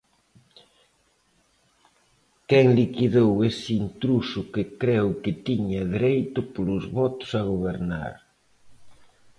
Quen liquidou este intruso que creu que tiña dereito polos votos a gobernar?